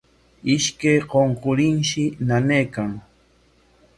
Ishkan qunqurinshi nanaykan.